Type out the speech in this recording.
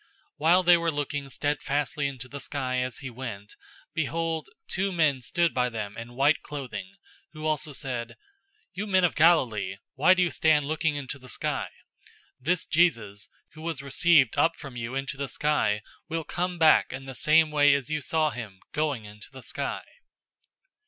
001:010 While they were looking steadfastly into the sky as he went, behold, two men stood by them in white clothing, 001:011 who also said, "You men of Galilee, why do you stand looking into the sky? This Jesus, who was received up from you into the sky will come back in the same way as you saw him going into the sky."